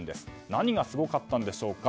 何がすごかったんでしょうか。